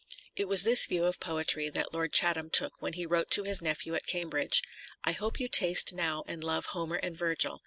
It was this view of poetry that Lord Chatham took when he wrote to his nephew at Cambridge :" I hope you taste now and love Homer and Virgil.